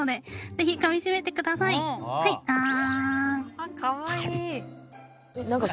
あっかわいい。